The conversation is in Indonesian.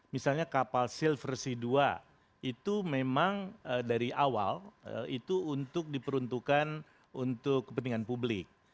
misalnya kapal silversi dua itu memang dari awal itu untuk diperuntukkan untuk kepentingan publik